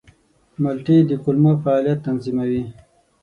مالټې د کولمو فعالیت تنظیموي.